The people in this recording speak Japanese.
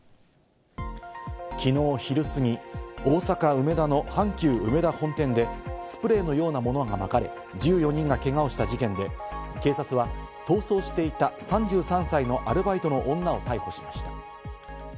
きのう昼すぎ、大阪・梅田の阪急うめだ本店でスプレーのようなものがまかれ、１４人がけがをした事件で、警察は逃走していた３３歳のアルバイトの女を逮捕しました。